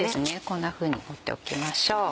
こんなふうに折っておきましょう。